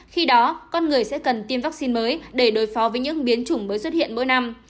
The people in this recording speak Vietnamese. khi đó con người sẽ cần tiêm vaccine mới để đối phó với những biến chủng mới xuất hiện mỗi năm